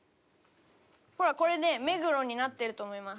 ほらこれで「目黒」になってると思います。